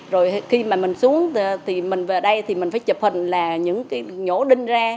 rồi khi mà mình xuống thì mình về đây thì mình phải chụp hình là những cái nhổ đinh ra